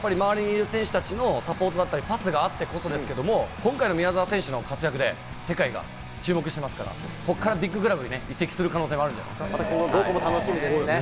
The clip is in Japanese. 宮澤選手がゴールが取れたら、周りにいる選手たちのサポートだったり、パスがあってこそですけれども、今回の宮澤選手の活躍で、世界が注目してますから、こっからビッグクラブに移籍する可能性もあると思います。